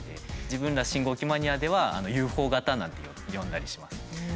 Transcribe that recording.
自分ら信号機マニアでは「ＵＦＯ型」なんて呼んだりします。